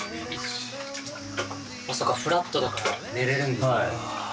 そうかフラットだから寝れるんですね。